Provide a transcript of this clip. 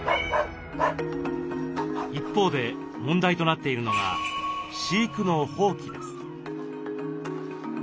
一方で問題となっているのが飼育の放棄です。